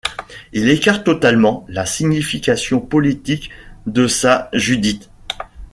Il écarte totalement la signification politique de sa Judith.